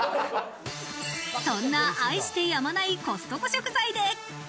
そんな愛してやまないコストコ食材で。